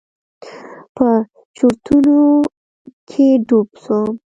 په چورتونو کښې ډوب سوم.